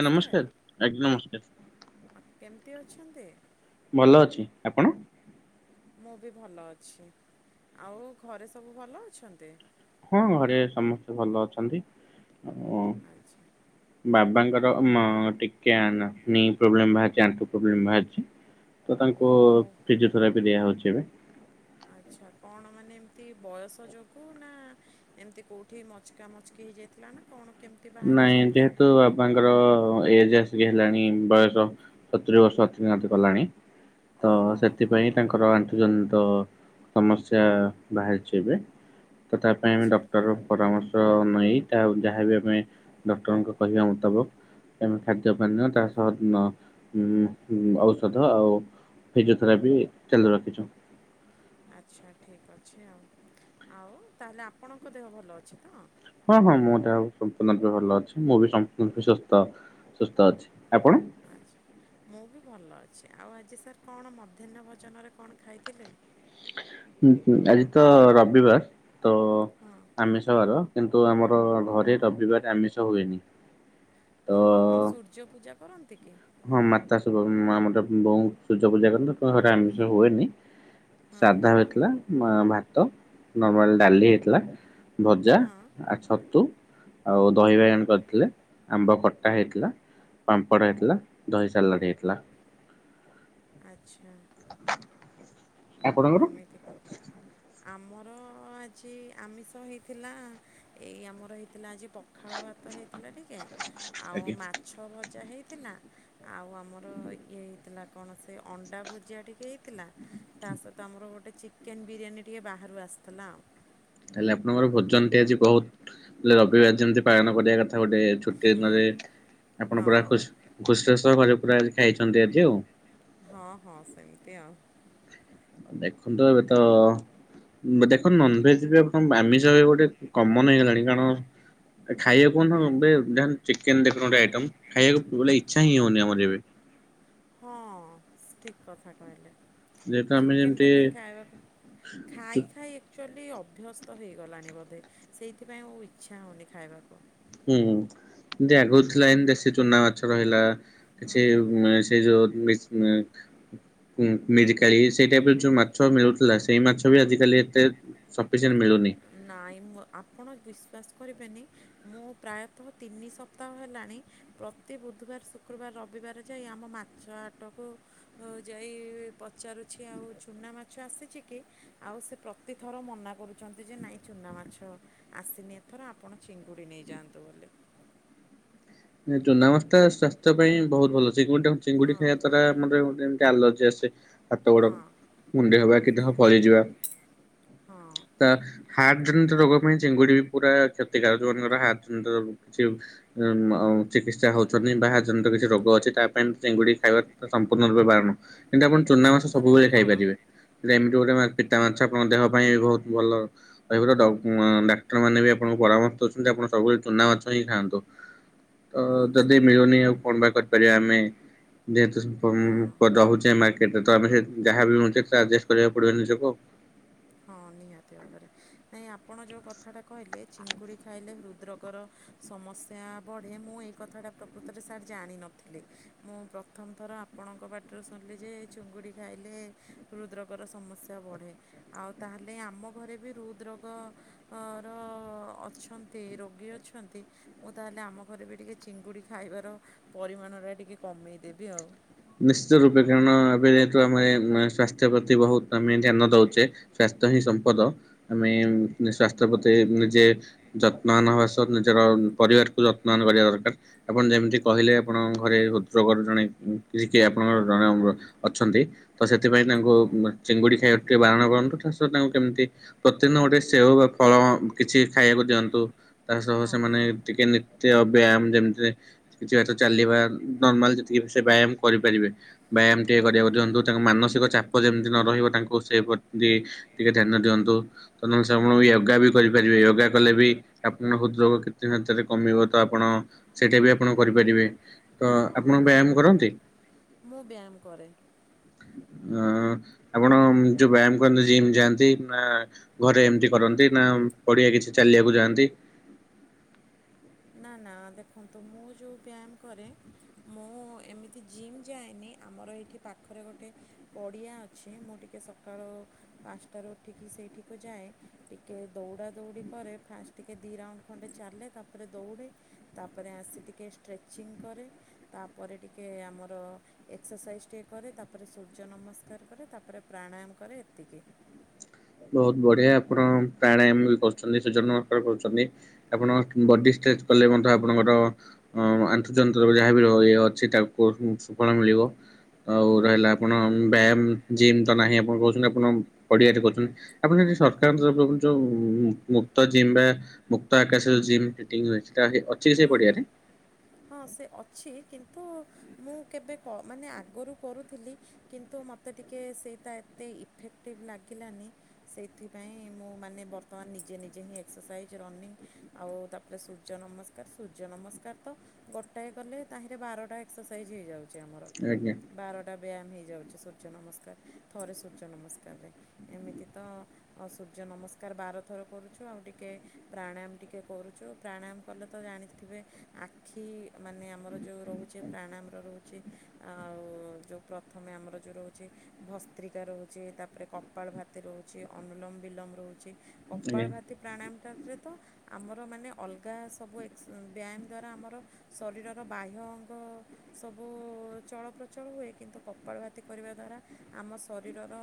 ଏ ନମସ୍କାର ଆଜ୍ଞା ନମସ୍କାର। କେତେ ଅଛନ୍ତି? ଭଲ ଅଛି। ଆପଣ? ମୁଁ ବି ଭଲ ଅଛି। ଆଉ ଘରେ ସବୁ ଭଲ ଅଛନ୍ତି? ହଁ ଘରେ ସମସ୍ତେ ଭଲ ଅଛନ୍ତି। ଆ ଆଚ୍ଛା। ବାବାଙ୍କର ଟିକେ ନି ପ୍ରୋବ୍ଲେମ ବାହାରିଛି ଆଣ୍ଠୁ ପ୍ରୋବ୍ଲେମ ବାହାରିଛି। ତ ତାଙ୍କୁ ଓହୋ ଫିଜିଓଥେରାପି ଦିଆହେଉଛି ଏବେ। ଆଚ୍ଛା କଣ ମାନେ ଏମତି ବୟସ ଯୋଗୁ ନା ଏମତି କୋଉଠି ମଚକା ମଚକି ହେଇଯାଇଥିଲା ନା କଣ କେମିତି ବାହାରିଛି ନାଇଁ ଏମିତି ଆନ୍- ଯେହେତୁ ବାପାଙ୍କର ଏ ସିକି ହେଲାଣି ବୟସ ସତୁରି ବର୍ଷ ଅତିକ୍ରାନ୍ତ କଲାଣି। ତ ଓହୋ ହୋ ସେଥିପାଇଁ ତାଙ୍କର ଆଣ୍ଠୁ ତ ସମସ୍ୟା ବାହାରିଛି ଏବେ ତ ତା ପାଇଁ ଆମେ ଆଚ୍ଛା ଡକ୍ଟର ପରାମର୍ଶ ନ ତା ଯାହାବି ଆମେ ଡକ୍ଟରଙ୍କ କହିବା ମୁତାବକ ଆମ ଖାଦ୍ୟ ପାନୀୟ ତା ସହ ଔଷଧ ଆଉ ଫିଜିଓଥେରାପି ଚାଲୁ ରଖିଛୁ। ଆଚ୍ଛା ଠିକ୍ ଅଛି ଆଉ ଆଉ ତାହେଲେ ଆପଣଙ୍କ ଦେହ ଭଲ ଅଛି ତ। ହଁ ହଁ ମୋ ଦେହ ସମ୍ପୂର୍ଣ୍ଣ ରୂପେ ଭଲ ଅଛି ମୁଁ ବି ସମ୍ପୂର୍ଣ୍ଣ ରୂେ ସୁସ୍ଥ ସୁସ୍ଥ ଅଛି। ଆପଣ? ଆଚ୍ଛା ମୁଁ ବି ଭଲ ଅଛି ଆଉ ଆଜି ସାର୍ କଣ ମଧ୍ୟାହ୍ନ ଭୋଜନରେ କଣ ଖାଇଥିଲେ। ଆଜି ତ ରବିବାର ତ ହଁ ଆମିଷ ବାର କିନ୍ତୁ ଆମର ଘରେ ରବିବାର ଆମିଷ ହୁଏନି। ତ ହଁ ହଁ କଣ ସୂର୍ଯ୍ୟ ପୂଜା କରନ୍ତି କି। ହଁ ମାତା ଆମର ବୋଉ ସୂର୍ଯ୍ୟ ପୂଜା କରନ୍ତି ଘରେ ଆମିଷ ହୁଏନି। ହଁ ସାଧା ହେଇଥିଲା ଭାତ ନର୍ମାଲ ଡାଲି ହେଇଥିଲା। ଭଜା ହଁ ଆ ଛତୁ ଆଉ ଦହି ବାଇଗଣ କରିଥିଲେ ଆମ୍ବ ଖଟା ହେଇଥିଲା ପାମ୍ପଡ ହେଇଥିଲା। ଦହି ସାଲାଟ୍ ହେଇଥିଲା। ଆଚ୍ଛା। ଆପଣଙ୍କର? ଏମିତି କଥା ଆମର ଆଜି ଆମିଷ ହେଇଥିଲା ଏଇ ଆମର ହେଇଥିଲା ଆଜି ପଖାଳ ଭାତ ହେଇଥିଲା ଟିକେ ଆଉ ମାଛ ଭଜା ହେଇ ଥିଲା ଆଉ ଆମର ଇଏ ହେଇଥିଲା କଣ ସେ ଅଣ୍ଡା ଭୁଜିଆ ଟିକେ ହେଇଥି ଥିଲା ତା ସହିତ ଆମର ଗୋଟେ ଚିକେନ ବିରିୟାନୀ ଟିକେ ବାହାରୁ ଆସିଥିଲା ଆଉ। ହେଲେ ଆପଣଙ୍କର ଭୋଜନ ଟେ ଆଜି ବହୁତ ରବିବାର ଯେମିତି ପାଳନ କରିବା କଥା ତା ଗୋଟେ ଛୁଟି ଦିନରେ ଆପଣ ହଁ ପୁରା ଖୁ ଖୁସିରେ ସହ କରିଲେ ପୁରା ଖାଇଛନ୍ତି ଆଜି ଆଉ। ହଁ ହଁ ସେମିତି ଆଉ। ଦେଖୁ ତୁ ଏବେ ତ ଦେଖ ନନଭେଜ୍ ବି ଆମିଷ ଗୋଟେ କମନ ହେଇଗଲାଣି କାରଣ ଖାଇବାକୁ କହ ଏ ଚିକେନ ଦେଖ ଆଇଟ ଖାଇବାକୁ ବ ଇଚ୍ଛା ହିଁ ହଉନି ଆମର ଏବେ। ହଁ ଠିକ କଥା କହିଲେ। ଯେହେତୁ ଆମେ ଚିକେନ ଟା ଯେମିତି କାଇଁ ଖାଇବା ଖାଇ ଖାଇ ଆକୁଚୁଲି ଅ ଅଭ୍ୟସ୍ତ ହୋଇଇଗଲାଣି ବୋଧେ ସେଇଥିପାଇଁ ମୁଁ ଇଚ୍ଛା ହୋଉନି ଖାଇବାକୁ। ହୁଁ ତି ଆଗରୁ ଥିଲା ଏମିତି ଦେଶୀ ଚୁନା ମାଛ ରହିଲା କିଛି ସେଇ ଯୋଉ ମିସ୍ ମ ମି ମିରିକାଳି ସେଇ ଟାଇପରେ ଯୋଉ ମାଛ ମିଳୁଥିଲା ସେଇ ମାଛ ବି ଆଜିିକାଲି ଏତେ ସପିସେ ନାଇଁ ମୁଁ ଆପଣ ବିଶ୍ବାସ କରିବେନି ମୁଁ ପ୍ରାୟତଃ ତିନି ସପ୍ତାହ ହେଲାଣି ପ୍ରତି ବୁଧବାର ଶୁକ୍ରବାର ରବି ବାର ଯାଇ ଆମ ମାଛ ଆଟକୁ ଯାଇ ପଚାରୁଛି ଆଉ ଚଛୁନା ମାଛ ଆସି ଛି କି ଆଉ ସେ ପ୍ରତିଥର ମନା କରୁଚିନ୍ତି ଯେ ନାଇଁ ଚୁନା ମାଛ ଆସିନି ଏଥର ଆପଣ ଚିଙ୍ଗୁଡ଼ି ନେଇଯାଆନ୍ତୁ ବୋଲି। ଚୁନା ମାଛ ଟା ସ୍ଵାସ୍ଥ ପାଇଁ ବହୁତ ଭଲ। ଚିଙ୍ଗୁଡି ଟା ଚିଙ୍ଗୁଡି ହଁ ଖାଇବା ଦ୍ୱାରା ଏଲର୍ଜି ଆସେ ହାତ ଗୋଡ ହଁ କୁଣ୍ଡେଇ ହବା କି ଦେହ ସେଇଆ ଫଳିଯିବା ହଁ ତା ହାର୍ଟ ର୍ଟ ଜନିତ ରୋଗ ପାଇଁ ଚିଙ୍ଗୁଡ଼ି ବି ପୁରା କ୍ଷତିକାରକ ଯଉମାନଙ୍କର ହାର୍ଟ ଜନିତ କିଛି ମ ଆଉ ଚିକିତ୍ସା ହୋଉଚନ୍ତି ବାହା ଜନିତ କିଛି ରୋଗ ଅଛି। ତା ପାଇଁ ଚିଙ୍ଗୁଡ଼ି ଖାଇବା ସମ୍ପୂର୍ଣ୍ଣ ରୂପେ ବାରଣ କିନ୍ତୁ ଆପଣ ଚୁନା ମାସ ସତରେ ନା ସବୁବେଳେ କଣ ଖାଇପାରିବେ ଗୋଟେ ପିତା ମାଛ ଆପଣଙ୍କ ଦେହ ପାଇଁ ବହୁତ ଭଲ ରହିବ ଡ଼କ୍ ଡାକ୍ତର ମାନେ ବି ଆପଣଙ୍କୁ ପରାମର୍ଶ ଚନ୍ତି ଆପଣ ସବୁବେଳେ ଚୁନା ମାଛ ହିଁ ଖାଆନ୍ତୁ। ତ ଆଚ୍ଛା ଯଦି ମିଳୁନି ଆଉ କଣ ବା କରିପାରିବା ଆମେ ଯେହେତୁ ସ ହଁ ମ୍ପୁ ରୋହୁଚେ ଆମେ ମାର୍କ କେତେ ତ ଆମେ ଯାହା ବି ମିଳୁଚି ସେଥିରେ ଆଜେଷ୍ଟ କରିବାକୁ ପଡିବ ନିଜକୁ। ହଁ ନିହାତି ଭାବରେ ନାଇ ଆ ଆପଣ ଯୋଉ କଥାଟା କହିଲେ ଚିଙ୍ଗୁଡ଼ି ଖାଇଲେ ହୃଦ ରୋଗର ସମସ୍ୟା ବଢ଼େ ମୁଁ ଏଇ କଥା ପ୍ରକୃତରେ ସାର୍ ଜାଣିନଥିଲି। ମୁଁ ପ୍ରଥମ ଥର ଆପଣଙ୍କ ପାଟି ରୁ ଶୁଣିଲି ଯେ ଚିଙ୍ଗୁଡ଼ି ଖା ଖାଇଲେ ହୃଦ୍ ରୋଗର ସମସ୍ୟା ବଢ଼େ ଆଉ ତାହେଲେ ଆମ ଘରେ ବି ହୃଦ୍ ରୋଗ ର ଅଛନ୍ତି ରୋଗୀ ଅଛ ଛନ୍ତି ମୁଁ ତାହେଲେ ଆମ ଘରେ ବି ଟିକେ ଚିଙ୍ଗୁଡ଼ି ଖାଇବାର ପରିମାଣଟା ଟିକେ କମେଇ ଦେବି ଆଉ। ନିଶ୍ଚିତ ରୂପେ କାରଣ ଏବେ ଯେହେତୁ ଆମେ ସ୍ଵାସ୍ଥ୍ୟ ପ୍ରତି ବହୁତ ଆମେ ଧ୍ୟାନ ଦୋଉଚେ ସ୍ୱାସ୍ଥ୍ୟ ସ୍ଥ୍ୟ ହିଁ ସମ୍ପଦ ଆମେ ସ୍ଵାସ୍ଥ ପ୍ରତି ନିଜେ ଯତ୍ନବାନ ହବା ସହ ନିଜର ପରିବାରକୁ ଯତ୍ନବାନ କରିବା ଦରକାର ଆପଣ ଯେମିତି କହିଲେ ଆପଣଙ୍କ ଘରେ ହୃଦ୍ ରୋଗର ଜଣେ କିଛି କିଏ ଆପଣଙ୍କର ଜଣେ ଅଛନ୍ତି ତ ସେଥିପାଇଁ ତାଙ୍କୁ ଚିଙ୍ଗୁଡ଼ି ଖାଇବା ଟିକେ ବାରଣ କରନ୍ତୁ ତାଙ୍କୁ କେମିତି ପ୍ରତିଦିନ ଗୋଟେ ସେଓ ବା ଫଳ କିଛି ଖାଇବାକୁ ଦିଅନ୍ତୁ। ତା ସହ ହଁ ସେମାନେ ହଁ ଟିକେ ବ୍ୟାୟାମ ଯେମିତି କିଛି ଚାଲିବା ନର୍ମାଲି ଯେତିକି ସେ ବ୍ୟାୟାମ କରିପାରିବେ ବ୍ୟାୟାମ ଟିକେ କରିବାକୁ ଦିନ୍ତୁ ତାଙ୍କ ମାନସିକ ଚାପ ଯେମିତି ନ ରହିବ ତାଙ୍କୁ ସେ ପ୍ରତି ଟିକେ ଧ୍ୟାନ ଦିଅନ୍ତୁ। ତା ନହଲେ ସେ ଆପଣ ୟୋଗା ବି କରିପାରିବେ ୟୋଗା କଲେ ବି ଆପଣଙ୍କ ହୃଦ୍ ରୋଗ କେ କିଛି ମାତ୍ରାରେ କମିବ ତ ଆପଣ ସେଇଟା ବି ଆପଣ କରିପାରିବେ ତ ହଁ ଆପଣ ହଁ ବ୍ୟାୟାମ କରନ୍ତି? ମୁଁ ବ୍ୟାୟାମ କରେ। ଅ ଆପଣ ଯୋଉ ବ୍ୟାୟାମ କରନ୍ତି ଜିମ୍ ଯାଆନ୍ତି ନା ଘରେ ଏମିତି କରନ୍ତି ନା ପଡିଆ କିଛି ଚାଲିବାକୁ ଯାଆନ୍ତି [unintelligible] ନା ନା ଦେଖନ୍ତୁ ମୁଁ ଯୋଉ ବ୍ୟାୟାମ କରେ ମୁଁ ଏମିତି ଜିମ୍ ଯାଏନି ଆମର ଏଇଠି ପାଖରେ ଗୋଟେ ପଡ଼ିଆ ଅଛି ମୁଁ ଟିକିଏ ସକାଳ ପାଞ୍ଚଟାରୁ ଉଠିକି ସେଇଠିକୁ ଯାଏ ଟିକଏ ଦୌଡ଼ା ଦୌଡ଼ି କରେ ଫାଷ୍ଟ ଟିକେ ଦୁଇ ରାଉଣ୍ଡ ଖଣ୍ଡେ ଚାଲେ ତା ତାପରେ ଦୌଡ଼େ ତାପରେ ଆସି ଟିକେ ଷ୍ଟ୍ରେଚିଂ କରେ ତାପରେ ଟିକଏ ଆମର ଏକ୍ସରସାଇଜ ଟିକେ କରେ ତାପରେ ସୂର୍ଯ୍ୟ ନମସ୍କାର କରେ ତାପରେ ପ୍ରାଣାୟାମ କରେ ଏତିକି [inaudible] ବହୁତ ବଢ଼ିଆ ଆପଣ ପ୍ରାଣାୟାମ ବି କରୁଛନ୍ତି। ସୂର୍ଯ୍ୟ ନମସ୍କାର କରୁଛନ୍ତି, ଆପଣ ବଡି ଷ୍ଟ୍ରେଚ କଲେ ବୋହୁତ ମଧ୍ୟ ଆପଣଙ୍କର ଆନ୍ତର୍ଜନିତ ଯାହାବ ଇଏ ଅଛି ତାକୁ ସୁଫଳ ମିଳିବ। ଆଉ ହଁ ରହିଲା ଆପଣ ବ୍ୟାୟାମ ଜିମ୍ ତ ନାହିଁ ଆପଣ କହୁଛନ୍ତି ଆପଣ ପଡ଼ିଆରେ କରୁଚନ୍ତି। ଆପଣ ସେଠି ସରକାରଙ୍କ ତରଫରୁ ଯୋଉ ମୁକ୍ତ ଜିମ୍ ବା ମୁକ୍ତ ଆକାଶରେ ଯୋଉ ଜିମ୍ ଫିଟିଙ୍ଗ ହୁଏ। [unintelligible] ହଁ ହଁ ହଁ ସେ ଅଛି। କିନ୍ତୁ ମୁଁ କେବେ ମାନେ ଆଗରୁ କରୁଥିଲି କିନ୍ତୁ ମୋତେ ଟିକେ ସେଇଟା ଏତେ ଇଫେକ୍ଟିଭ ଲାଗିଲାନି ସେଇଥିପାଇଁ ମୁଁ ମାନେ ବର୍ତ୍ତମାନ ନିଜେ ନିଜେ ହିଁ ଏକ୍ସରସାଇଜ୍ ରନିଂ ଆଉ ତାପରେ ସୂର୍ଯ୍ୟ ନମସ୍କାର ସୂର୍ଯ୍ୟ ନମସ୍କାର ତ ଗୋଟାଏ କଲେ ତାହିଁରେ ବାରଟା ଏକ୍ସରସାଇଜ୍ ହେଇଯାଉଛି। ଆମର ଆଜ୍ଞା ବାରଟା ବ୍ୟାୟାମ ହେଇଯାଉଛି। ସ୍ୱର୍ଯ୍ୟ ନମସ୍କାର ଥରେ ସୂର୍ଯ୍ୟ ନମସ୍କାରରେ ଏମିତି ତ ସୂର୍ଯ୍ୟ ନମସ୍କାର ବା ବାର ଥର କୌରୁଛୁ ଅଉ ଟିକିଏ ପ୍ରାଣାୟାମ ଟିକିଏ କରୁଛୁ। ପ୍ରାଣାୟାମ କଲେ ତ ଜାଣିଥିବେ ଆଖି ମାନେ ଆମର ଯେଉଁ ରହୁଛି ପ୍ରାଣୟାମର ରହୁଛି ଆଉ ଯେଉଁ ପ୍ରଥମେ ଆମର ଯେଉଁ ରହୁଛି ଭତ୍ରିକା ରହୁଛି। ତାପରେ କପାଳ ଭତି ରହୁଛି। ଅନୁଲମ ବିଲୋମ ରହୁଛି। କପାଳ ଆଜ୍ଞା ଭାତି ପ୍ରାଣାୟାମାରେ ତ ଆମର ମାନେ ଅଲଗା ସବୁକ୍ ବ୍ୟାୟାମ ଦ୍ୱାରା ଆମର ଶରୀରର ବାହ୍ୟ ଅଙ୍ଗ ସବୁ ଚଳପ ପ୍ରଚଳ ହୁଏ। କିନ୍ତୁ କପାଳ ଭାତି କରିବା ଦ୍ୱାରା ଆମ ଶରୀରର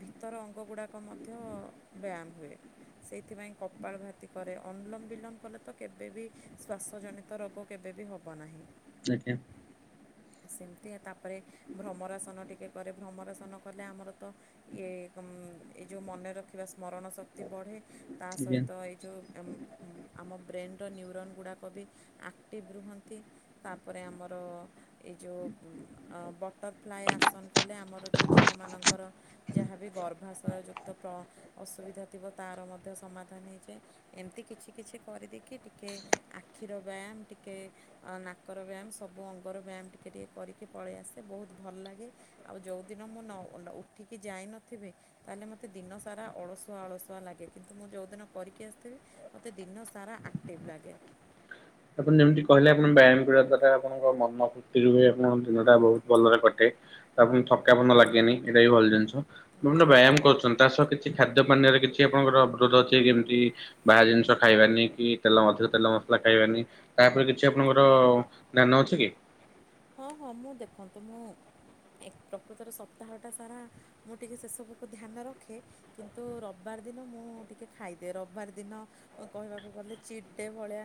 ଭିତର ଅଙ୍ଗ ଗୁଡ଼ାକ ମ ମଧ୍ୟ ବ୍ୟାୟାମ ହୁଏ। ସେଇଥିପାଇଁ କପାଳ ଭାତି କରେ ଅନୁଲମ ବିଲମ କଲେ ତ କେବେ ବିି ଶ୍ୱାସ ଜନିତ ରୋଗ କେବେ ବି ହେବ ନାହିଁ। ଆଜ୍ଞା। ସେମିତି ତାପରେ ଭ୍ରମରାସନ ଟିକେ କରେ। ଭ୍ରମରାସନ କଲେ ଆମର ତ ଇଏ ଏ ଯେଉଁ ମନେ ରଖିବା ସ୍ମରଣ ଶକ୍ତି ବଢ଼େ। ତା ସହିତ ଏଇ ଯୋଉଁ ଏମ ଆମ ବ୍ରେନ୍ର ନ୍ୟୁରନ୍ ଗୁଡ଼ାକ ବି ଆକ୍ଟିଭ ରୁହନ୍ତି। ତାପରେ ଆମର ଏ ଯେଉଁ ବଟରଫ୍ଲାଏ ଆସନ କଲେ ଆମର ଯେଉଁ ଝିଅମାନଙ୍କର ଯାହାବି ଗର୍ଭାଶୟଯୁକ୍ତ ଅସୁବିଧା ଥିବ ତାର ମଧ୍ୟ ସମାଧାନ ହେଇଯାଏ। ଏମିତି କିଛି କିଛି କରିଦିଏ। କି ଟିକେ ଆଖିର ବ୍ୟାୟାମ ଟିକେ ନାକର ବ୍ୟାୟାମ ସବୁ ଅଙ୍ଗର ବ୍ୟାୟାମ ଟିକେ ଟିକେ କରି ଟିକିଏ ପଳେଇଆସେ। ବହୁତ ଭଲ ଲାଗେ ଅଉ ଯୋଉଁଦିନ ମୂଁ ନଉଠିକି ଯାଇନଥିବି ତାହେଲେ ମୋତେ ଦିନ ସାରା ଅଳସୁଆ ଅଳସୁଆ ଲାଗେ। କିନ୍ତୁ ମୁଁ ଯଉଁ ଦିନ କରିକି ଆସିଥିବି ମୋତେ ଦିନ ସାରା ଟିଭ ଲାଗେ। ଆପଣ ଯେମିତି କହିଲେ ଆପଣ ବ୍ୟାୟାମ କରିବା ଦ୍ଵାରା ଆପଣଙ୍କ ମନ ଫୁର୍ତ୍ତି ରୁ ହ ଆପଣଙ୍କ ଦିନଟା ବହୁତ ଭଲରେ କଟେ ତାପ ଥକାପନ ଲାଗେନି ଏଇଟା ବି ଭଲ ଜିନିଷେ ହଁ ବ୍ୟାୟାମ କରୁଛନ୍ତି। ତା ସହ କିଛି ଖାଦ୍ୟ ପାନୀୟ କିଛି ଆପଣଙ୍କର ଅବରୋଧ ଅଛି କେମିତି ବାହା ଜିନିଷ ଖାଇବାନି କି ତେଲ ଅଧିକ ତେଲ ମସଲା ଖାଇବାନି? ତାପରେ କିଛି ଆପଣଙ୍କର ଧ୍ୟାନ ଅଛି କି? ହଁ ହଁ ମୁଁ ଦେଖନ୍ତୁ ମୁଁ ପ୍ରକୃତର ସପ୍ତାହଟା ସାରା ମୁଁ ଟିକେ ସେ ସବୁକୁ ଧ୍ୟାନ ରଖେ। କିନ୍ତୁ ରବିବାର ଦିନ ମୁଁ ଟିକେ ଖାଇଦିଏ। ରବିବାର ଦିନ କହିବାକୁ ଗଲେ ଚିଟ୍ଡେ ଭଳିଆ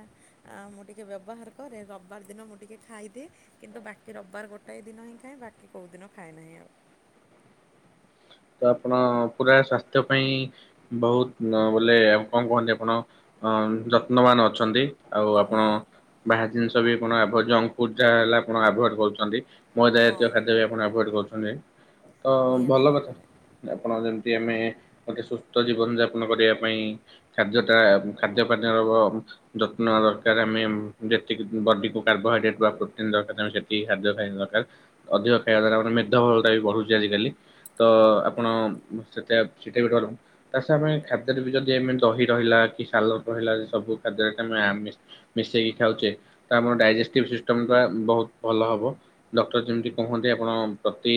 ମୁଁ ଟିକେ ଟିକେ ବ୍ୟବହାର କରେ ରବିବାର ଦିନ ମୁଁ ଟିକେ ଖାଇଦିଏ କିନ୍ତୁ ବାକି କି ରବିବାର ଗୋଟାଏ ଦିନ ହିଁ ଖାଏ ବାକି କୋଉଦିନ ଖାଏ ନାହିଁ ଆଉ। ତ ଆପଣ ପୁରା ସ୍ଵାସ୍ଥ୍ୟ ପାଇଁ ବହୁତ ବୋଲେ କଣ କୁହନ୍ତି। ଆପଣ ଅ ଯତ୍ନବାନ ଅଛନ୍ତି। ଆଉ ହଁ ଆପଣ ବାହାର ଜିନିଷ ବି ଆଣ ଆଭ ଜଙ୍କ ଫୁଡ ଯାହା ହେଲା ଆପଣ ଆଭଏଡ଼ କରୁଛନ୍ତି। ମଇଦା ହଁ ଜାତୀୟ ଖାଦ୍ୟ ବି ଆପଣ ଆଭଏଡ଼ କରୁଛନ୍ତି। ତ ନିହାତି ଭଲ କଥା। ଭାବରେ ଆପଣ ଯେମିତି ଆମେ ଗୋଟେ ସୁସ୍ଥ ଜୀବନ ଯାପନ କରିବା ପାଇଁ ଖାଦ୍ୟ ଟା ଖାଦ୍ୟ ପାନୀୟ ଯତ୍ନ ଦରକାର ଆମେ ଯେତିକି ବଡି କୁ କାର୍ବୋହାଇଡ୍ରେଟ ବା ପ୍ରୋଟିନ ଦରକାର ସେଟିକି ଖାଦ୍ୟ ଖାଇ ଦରକାର ଅଧିକ ଖାଇବା ଦ୍ଵାରା ଆ ମେଧବହୁଳତା ବି ବଢୁଛି ଆଜିକାଲି। ତ ଆପଣ ହଁ ସେତ ସେଇଟା ବି ରହିଲ ତା ଆମେ ଖାଦ୍ୟରେ ବି ଯଦି ଏମିତି ଦହି ରହିଲା କି ସାଲ ରହିଲା ଯେ ସବୁ ଖାଦ୍ୟରେେ ମିଶେଇକି ଖାଉଛେ। ତ ଆମର ଡାଇଜେଷ୍ଟିଭ୍ ସିଷ୍ଟମ ଟା ବହୁତ ଭଲ ହବ ଡକ୍ଟର ଯେମିତି କହନ୍ତି। ଆପଣ ପ୍ରତି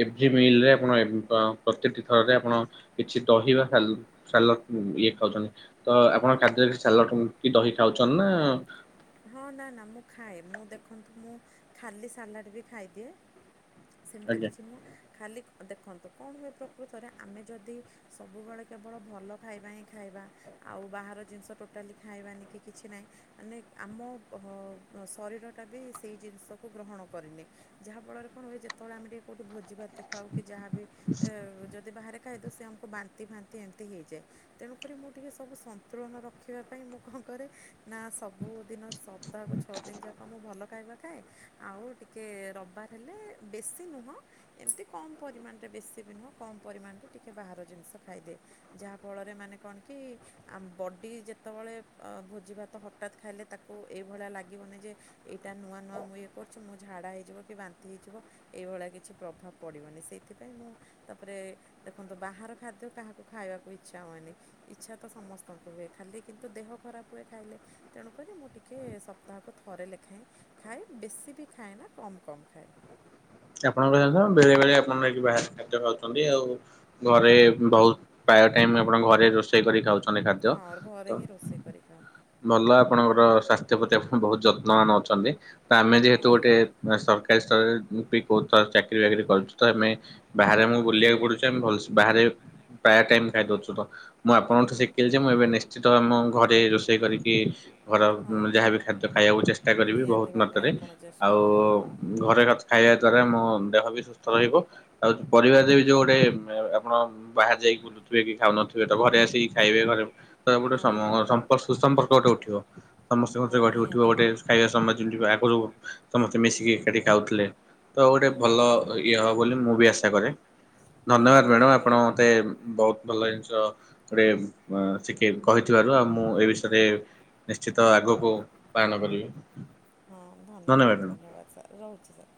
ଏଫ ଜି ମିଲ ରେ ଆପଣ ପ୍ରତିଟି ଥରରେ ଆପଣ କିଛି ଦହି ବା ସାଲତ ସାଲାଡ଼ ଇଏ ଖାଉଛନ୍ତି। ତ ଆପଣ ତମେ ଖାଦ୍ୟରେ କିଛି ସାଲଟ କି ଦହି ଖାଉଛନ୍ ନା ହଁ ନା ନା ମୁଁ ଖାଏ। ମୁଁ ଦେଖନ୍ତୁ ମୁଁ ଖାଲି ସାଲାଡ ବି ଖାଇଦିଏ ସେମତି ଆଜ୍ଞା କିଛି ନୁହଁ ଖାଲି ଦେଖନ୍ତୁ, କଣ ହୁଏ ପ୍ରକୃତରେ ଆମେ ଯଦି ସବୁବେଳେ କେବଳ ଭଲ ଖାଇବା ହିଁ ଖାଇ ବା, ଆଉ ବାହାର ଜିନଷ ଟୋଟାଲି ଖାଇବାନି କି କିଛି ନାହିଁ ମାନେ ଆମ ଶରୀରଟା ବି ସେଇ ଜିନିଷକୁ ଗ୍ରହଣ କରିନିଏ। ଯାହାଫଳରେ କଣ ହୁଏ ଯେ ଯେତେବେଳେ ଆମେ ଟିକେ କୋଉଠି ଭୋଜି ଭାତ ଖାଉ କି ଯାହା ବି ଯଦି ବାହାରେ ଖାଇଦଉ ସେ ଆମକୁ ବାନ୍ତି ଫାନ୍ତି ଏମତି ହେଇଯାଏ। ତେଣୁକରି ମୁଁ ଟିକିଏ ସବୁ ସନ୍ତୁଳନ ରଖିବା ପାଇଁ ମୁଁ କଣ କରେ, ନା ସବୁ ସବୁଦିନ ସପ୍ତାହକୁ ଛଅ ଦିନ ଯାକ ମୁଁ ଭଲ ଖାଇବା ଖାଏ, ଆଉ ଟିକେ ରବିବାର ହେଲେ ବେଶୀ ନୁହଁ, ଏମତି କମ୍ ପରିମାଣରେ ବେଶୀ ବି ନୁହଁ କମ୍ ପରିମାଣରେ ଟିକିଏ ବାହାର ଜିନିଷ ଖାଇଦିଏ। ଯାହା ଫଳରେ ମାନେ କଣ କି ଆ ବଡି ଯେତେବେଳେ ଭୋଜି ଭାତ ହ ହଠାତ୍ ଖାଇଲେ ତାକୁ ଏଇଭଳିଆ ଲାଗିବନି ଯେ, ଏଇଟା ନୂଆ ନୂଆ ମୁଁ ଇଏ କରୁଛି ମୋ ଝାଡ଼ା ହେଇଯିବ କି ବାନ୍ତି ହେଇ ଯିବ, ଏଇଭଳିଆ କିଛି ପ୍ରଭାବ ପଡ଼ିବନି। ସେଇଥିପାଇଁ ମୁଁ ତାପରେ ଦେଖନ୍ତୁ ବାହାର ଖାଦ୍ୟ କା କାହାକୁ ଖାଇବାକୁ ଇଚ୍ଛା ହୁଏନି। ଇଚ୍ଛା ତ ସମସ୍ତଙ୍କୁ ହୁଏ ଖାଲି କିନ୍ତୁ ଦେହ ଖରାପ ହୁଏ ଖାଇଲେ। ତେଣୁକରି ମୁଁ ଟିକିଏ ସପ୍ତାହକୁ ଥରେ ଲେଖାଏଁ ଖାଏ, ବେଶୀ ବି ଖାଏ ନା କମ୍ କମ୍ ଖାଏ। ଆପଣଙ୍କ ଜାଣିଚ ନା ବେଳେ ବେଳେ ଆପଣ ନେଇକି ବାହାର ଖାଦ୍ୟ ଖାଉଚନ୍ତି, ଆଉ ଘରେ ବହୁତ ଖାଇଆ ଟାଇମ୍ ଆପଣଙ୍କ ଘରେ ରୋଷେଇ କରି ଖାଉଛ ଅନେକ ଖାଦ୍ୟ। ହଁ ତ ଘରେ ହିଁ ରୋଷେଇ କରି ଖାଉ ଭଲ ଆପଣଙ୍କର ସ୍ୱାସ୍ଥ୍ୟ ପ୍ରତି ଆପଣ ବହୁତ ଯତ୍ନ ନନ ଅଛନ୍ତି। ତ ଆମେ ଯେହେତୁ ହଁ ଗୋଟେ ବା ସରକାରୀ ସ୍ତରରେ ପି ବହୁତ ଥର ଚାକିରୀ ବାକିରୀ କରୁଛୁ, ତ ଆମେ ବାହାରେ ଆମକୁ ବୁଲିବାକୁ ପଡୁଚି ଆମେ ଭଲସ ବାହାରେ ପ୍ରାୟ ଟାଇମ ଖାଇଦଉଛୁ ତ। ମୁଁ ଆପଣଙ୍କଠୁ ହଁ ଶିଖିଲି ଯେ ମୁଁ ଏବେ ନିଶ୍ଚିତ ଆମ ଘରେ ରୋଷେଇ କରିକି ଘର ହଁ ହଁ ଯାହାବି ଖାଦ୍ୟ ଖାଇବାକୁ ଚେଷ୍ଟା କରିବି ନିହାତି ବହୁତ ଭାବରେ ମାତ୍ରାରେ, ଆପଣ ଚେଷ୍ଟା ଆଉ କରିବେ। ଘରେ ଖାଇବା ଦ୍ଵାରା ମୋ ଦେହ ବି ସୁସ୍ଥ ରହିବ ଆଉ ପରିବାରରେ ବି ଯୋଉ ଗୋଟେ ଆପଣ ବାହାରେ ଯାଇକି ବୁଲୁ ଥିବେ କି ଖାଉନଥିବେ ତ ଘରେ ଆସିକି ଖାଇବେ, ଘରେ ତ ଗୋଟେ ହଁ ସମ ସମ୍ପର୍କ ସୁସମ୍ପର୍କ ଗୋଟେ ଉଠିବ। ସମସ୍ତଙ୍କ ସହ ହଁ ଗଢି ଉଠିବ ନିହାତି ଗୋଟେ ଭାବରେ ଖାଇବା ସମୟ ଯେମିତି ଆଗୁରୁ ସମସ୍ତେ ମିଶିକି ଏକାଠି ଖାଉଥିଲେ ତ ଗୋଟେ ହୁଁ ଭଲ ଇଏ ହବ ବୋଲି ମୁଁ ବି ଆଶା କରେ। ଧନ୍ୟବାଦ ନିହାତି ମ୍ୟାଡମ। ଭାବରେ ଆପଣ ମତେ ବହୁତ ଭଲ ଜିନିଷ ଗୋଟେ ଶିକେଇ କହିଥିବାରୁ ଆଉ ମୁଁ ଏ ବିଷୟରେ ନିଶ୍ଚିତ ଆଗକୁ ପାଳନ କରିବି। ହଁ ଧନ୍ୟବାଦ ଧନ୍ୟବାଦ ସାର୍ ରହୁଛି ସାର୍।